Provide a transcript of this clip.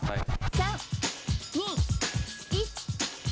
３・２・１！